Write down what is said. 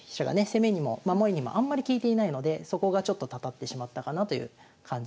攻めにも守りにもあんまり利いていないのでそこがちょっとたたってしまったかなという感じの手順でした。